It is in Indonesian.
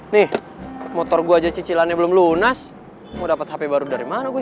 nih motor gue aja cicilannya belum lunas mau dapat hp baru dari mana gue